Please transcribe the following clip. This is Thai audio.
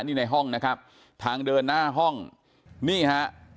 นี่ในห้องนะครับทางเดินหน้าห้องนี่ฮะ